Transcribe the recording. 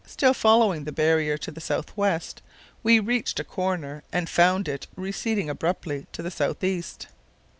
still following the barrier to the south west, we reached a corner and found it receding abruptly to the south east.